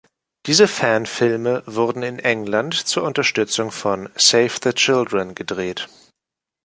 Diese Fanfilme wurden in England zur Unterstützung von „Save the Children“ gedreht.